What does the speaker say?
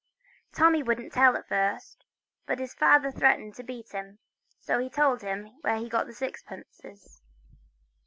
Tommy wouldn't tell at first, but his father threatened to beat him, so he told him where he got his sixpences.